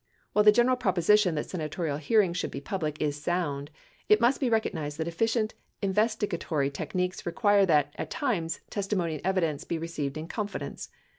While the general proposition that senatorial hear ings should be public is sound, it must be recognized that efficient investigatory techniques require that, at times, testimony and evidence be received in confidence.